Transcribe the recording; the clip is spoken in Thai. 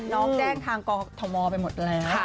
น้องแจ้งทางกรทมไปหมดแล้ว